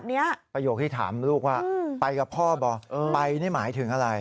อันนี้ประโยคที่ถามลูกว่าไปกับพ่อบ่ไปนี่หมายถึงอะไร